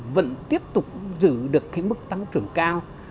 vẫn tiếp tục giữ được mức tăng trưởng cao